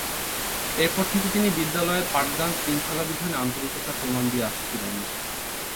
এরপর থেকে তিনি বিদ্যালয়ের পাঠদান, শৃঙ্খলা বিধানে আন্তরিকার প্রমাণ দিয়ে আসছিলেন।